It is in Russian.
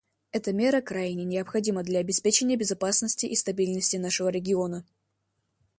Эта мера крайне необходима для обеспечения безопасности и стабильности нашего региона.